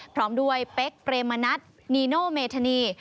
พร้อมด้วยเป๊กเปรมณัฐนีโนเมธานี